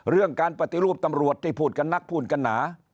เรื่องการปฏิรูปตำรวจที่พูดกันนักพูดกันหนา